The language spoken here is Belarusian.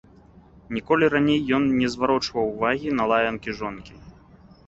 Ніколі раней ён не зварочваў увагі на лаянкі жонкі.